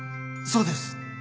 そうです。